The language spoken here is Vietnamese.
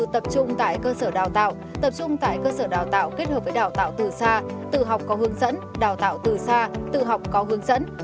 tập trung tại cơ sở đào tạo tập trung tại cơ sở đào tạo kết hợp với đào tạo từ xa tự học có hướng dẫn đào tạo từ xa tự học có hướng dẫn